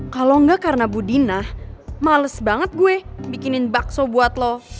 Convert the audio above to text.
kalau enggak karena bu dina males banget gue bikinin bakso buat lo